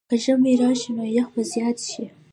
که ژمی راشي، نو یخ به زیات شي.